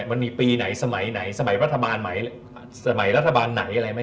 มันมีปีไหนสมัยไหนสมัยราธบาลไหมั้ย